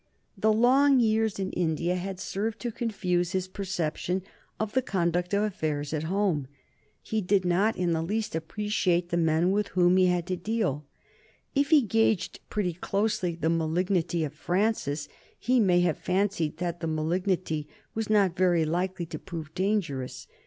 The long years in India had served to confuse his perception of the conduct of affairs at home. He did not in the least appreciate the men with whom he had to deal. If he gauged pretty closely the malignity of Francis, he may have fancied that the malignity was not very likely to prove dangerous.